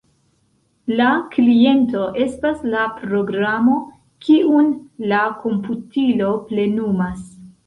La kliento estas la programo, kiun la komputilo plenumas.